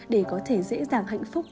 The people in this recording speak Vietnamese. để có thể dễ dàng hạnh phúc